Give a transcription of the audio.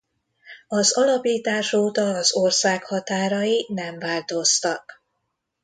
Az alapítás óta az ország határai nem változtak.